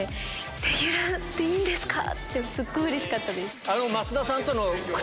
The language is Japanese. レギュラーでいいんですか？ってすっごいうれしかったです。